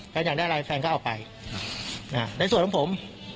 อยากได้อะไรแฟนก็เอาไปในส่วนของผม